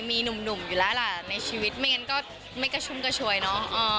มีหนุ่มอยู่แล้วนายชีวิตเรือนก็จะชุ่มกระชวยนะ